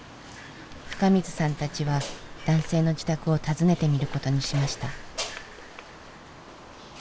深水さんたちは男性の自宅を訪ねてみることにしました。